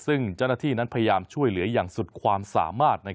ซึ่งเจ้าหน้าที่นั้นพยายามช่วยเหลืออย่างสุดความสามารถ